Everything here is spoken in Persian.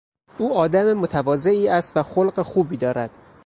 او آدم متواضعی است و خلق خوبی دارد.